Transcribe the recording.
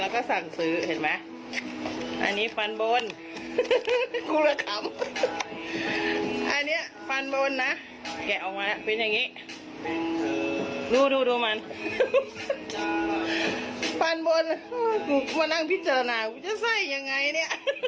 จะใส่ยังไงเนี่ยไม่ใช่